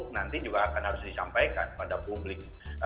nanti juga akan harus disampaikan pada publik